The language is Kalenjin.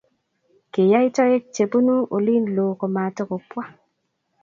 Kiyai toek Che punu olin loo kumatukopwa